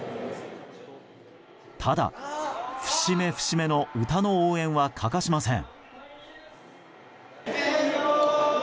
ただ、節目節目の歌の応援は欠かしません。